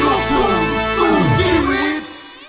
ลูกหนูสู้ชีวิต